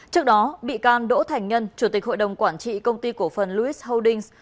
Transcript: trước đó bị can đỗ thành nhân chủ tịch hội đồng quản trị công ty cổ phần louis holdings